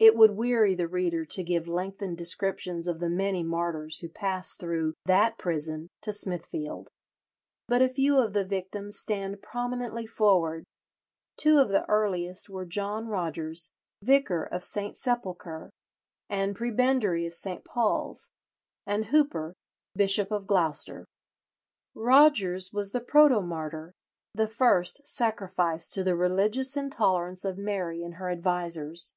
It would weary the reader to give lengthened descriptions of the many martyrs who passed through that prison to Smithfield. But a few of the victims stand prominently forward. Two of the earliest were John Rogers, vicar of St. Sepulchre and prebendary of St. Paul's, and Hooper, Bishop of Gloucester. Rogers was the protomartyr—the first sacrificed to the religious intolerance of Mary and her advisers.